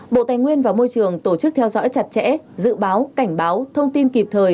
bộ tài nguyên và môi trường tổ chức theo dõi chặt chẽ dự báo cảnh báo thông tin kịp thời